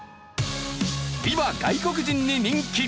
今外国人に人気！